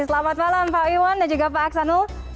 selamat malam pak iwan dan juga pak aksanul